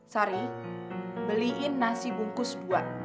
sari beliin nasi bungkus buah